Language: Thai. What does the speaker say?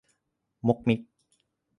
มุกมิก